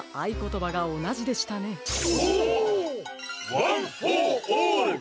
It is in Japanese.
ワンフォーオール！